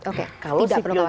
oke tidak perlu khawatir